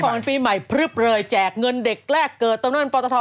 วันปีใหม่พลึบเลยแจกเงินเด็กแรกเกิดตรงนั้นปตท